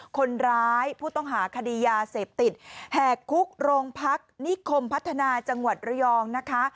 คนร้ายผู้ต้องหาคดียาเสพติดแหกคุกโรงพักนิคมพัฒนาจังหวัดระยองนะคะ